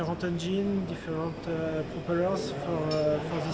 pembalap yang berbeda propeller yang berbeda untuk perjuangan ini